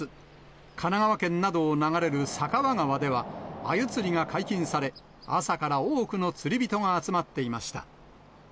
神奈川県などを流れる酒匂川では、アユ釣りが解禁され、朝から多くの釣り人が集まっていました。